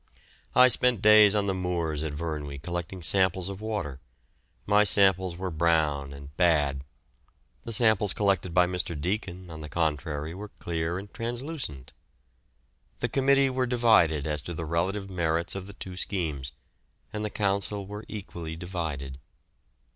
I spent days on the moors at Vyrnwy collecting samples of water. My samples were brown and bad; the samples collected by Mr. Deacon, on the contrary, were clear and translucent. The committee were divided as to the relative merits of the two schemes, and the Council were equally divided.